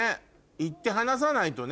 行って話さないとね。